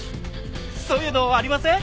そういうのありません？